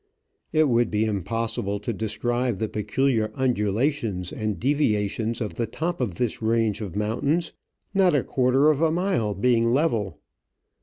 It would be impossible to describe the peculiar undulations and deviations of the top of this range of THE COCK OY THE ROCK. mountains, not a quarter of a mile being level.